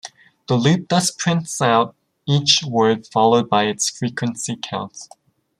The loop thus prints out each word followed by its frequency count.